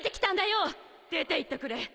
出ていっとくれ。